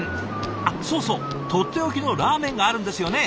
あっそうそうとっておきのラーメンがあるんですよね。